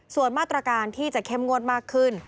ส่วนมาตรการที่จะเข้มงวดมากขึ้น